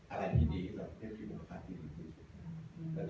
อะไรที่ดีแบบเจ้าชีวิตมงคลักที่ลูกภาพ